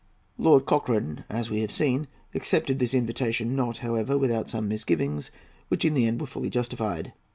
Lord Cochrane, as we have seen, accepted this invitation; not, however, without some misgivings, which, in the end, were fully justified.